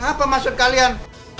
hai apa maksud kalian